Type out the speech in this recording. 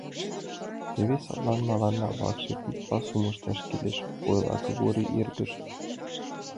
— Теве садлан мыланна вашке куд пасум ышташ кӱлеш, — ойла Кыргорий эргыже.